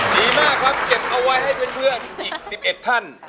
ดีมากครับเก็บเอาไว้ให้เพื่อนอีก๑๑ท่าน